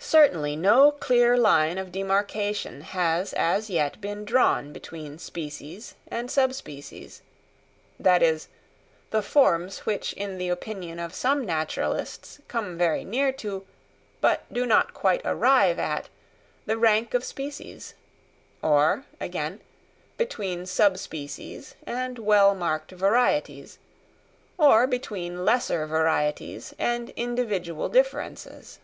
Certainly no clear line of demarcation has as yet been drawn between species and sub species—that is, the forms which in the opinion of some naturalists come very near to, but do not quite arrive at, the rank of species; or, again, between sub species and well marked varieties, or between lesser varieties and individual differences.